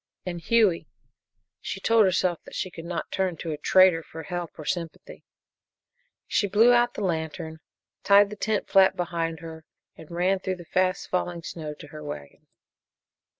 And Hughie! She told herself that she could not turn to a traitor for help or sympathy. She blew out the lantern, tied the tent flap behind her, and ran through the fast falling snow to her wagon.